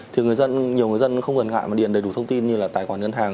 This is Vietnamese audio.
thì nhiều người dân không gần ngại mà điền đầy đủ thông tin như là tài khoản ngân hàng